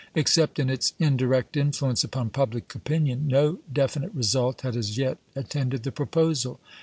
Except in its indirect influence upon public opinion, no definite result had as yet at tended the proposal.